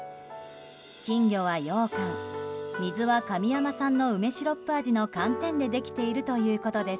金魚はようかん、水は神山産の梅シロップ味の寒天でできているということです。